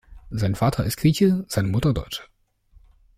Sein Vater ist Grieche, seine Mutter Deutsche.